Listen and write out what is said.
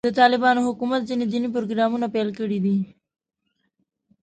د طالبانو حکومت ځینې دیني پروګرامونه پیل کړي دي.